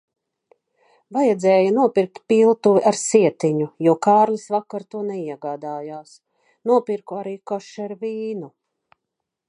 Vajadzēja nopirkt piltuvi ar sietiņu, jo Kārlis vakar to neiegādājās. Nopirku arī kosher vīnu.